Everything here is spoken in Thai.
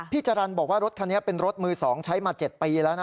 จรรย์บอกว่ารถคันนี้เป็นรถมือ๒ใช้มา๗ปีแล้วนะ